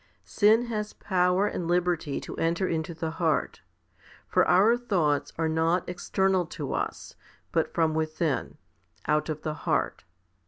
Sin has power and liberty to enter into the heart. For our thoughts are not external to us, but from within, out of the heart.